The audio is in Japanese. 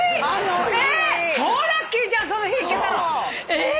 えっ！